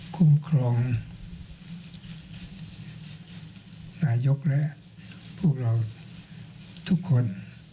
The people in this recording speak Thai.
คุ้มครองนายกและพวกเราทุกคน